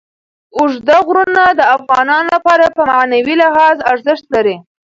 اوږده غرونه د افغانانو لپاره په معنوي لحاظ ارزښت لري.